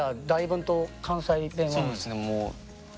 そうですね